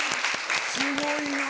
すごいな。